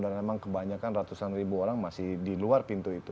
dan emang kebanyakan ratusan ribu orang masih di luar pintu itu